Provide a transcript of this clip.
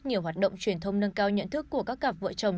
nhiều hoạt động truyền thông nâng cao nhận thức của các cặp vợ chồng